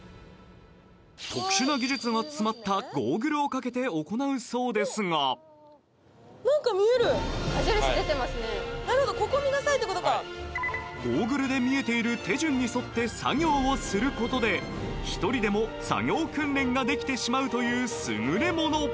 特殊な技術が詰まったゴーグルをかけて行うそうですがゴーグルで見えている手順に沿って作業をすることで一人でも作業訓練ができてしまうというすぐれもの。